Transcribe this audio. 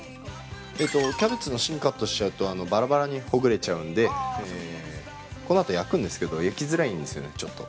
キャベツの芯カットしちゃうとばらばらにほぐれちゃうんで、このあと焼くんですけど、焼きづらいんですよね、ちょっと。